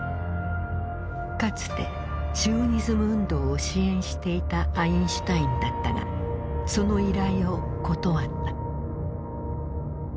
かつてシオニズム運動を支援していたアインシュタインだったがその依頼を断った。